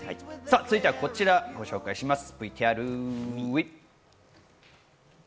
続いてはこちらをご紹介します。